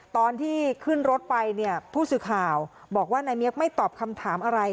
ตอนที่ขึ้นรถไปเนี่ยผู้สื่อข่าวบอกว่านายเมียกไม่ตอบคำถามอะไร